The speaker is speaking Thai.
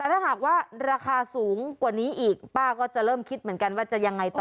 ถ้าหากว่าราคาสูงกว่านี้อีกป้าก็จะเริ่มคิดเหมือนกันว่าจะยังไงต่อ